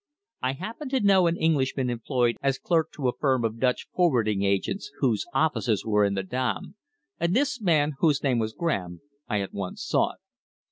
I happened to know an Englishman employed as clerk to a firm of Dutch forwarding agents whose offices were in the Dam, and this man, whose name was Graham, I at once sought.